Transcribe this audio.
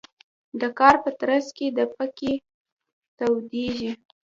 د کار په ترڅ کې د پکې تودیږي.